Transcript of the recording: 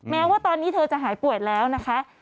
แม้ว่าตอนนี้เธอจะหายป่วยแล้วนะคะ